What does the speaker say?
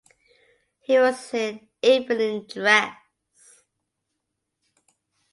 He was in evening dress.